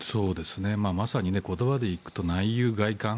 まさに言葉でいうと内憂外患。